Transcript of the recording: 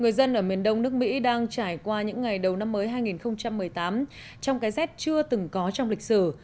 người dân ở miền đông nước mỹ đang trải qua những ngày đầu năm mới hai nghìn một mươi tám trong cái rét chưa từng có trong lịch sử